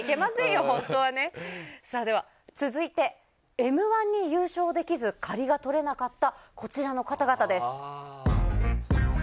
続いて「Ｍ‐１」に優勝できず仮がとれなかったこちらの方々です。